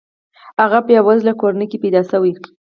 هغه په بې وزله کورنۍ کې پیدا شوی.